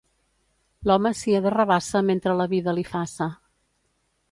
L'home sia de rabassa mentre la vida li faça.